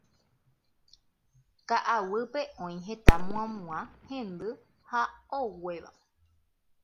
Ka'aguýpe oĩ heta muãmuã hendy ha oguéva.